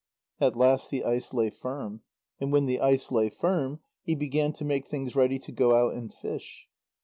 At last the ice lay firm, and when the ice lay firm, he began to make things ready to go out and fish.